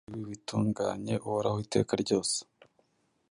ari yo murinzi w’ibitunganye uhoraho iteka ryose.